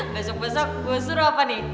besok besok gue suruh apa nih